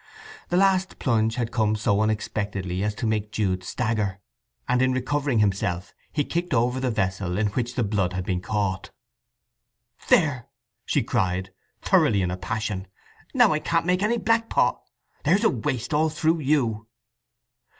The last plunge had come so unexpectedly as to make Jude stagger, and in recovering himself he kicked over the vessel in which the blood had been caught. "There!" she cried, thoroughly in a passion. "Now I can't make any blackpot. There's a waste, all through you!"